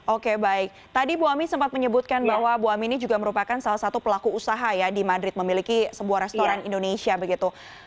oke baik tadi bu ami sempat menyebutkan bahwa bu amini juga merupakan salah satu pelaku usaha ya di madrid memiliki sebuah restoran indonesia begitu